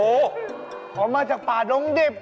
ออกมาจากป่าดุงดิบ